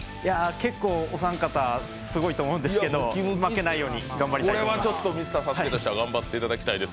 結構お三方すごいと思うんですけど、負けないように頑張りたいと思います。